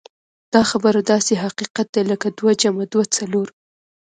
دا خبره داسې حقيقت دی لکه دوه جمع دوه څلور.